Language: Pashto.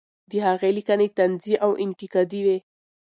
د هغې لیکنې طنزي او انتقادي وې.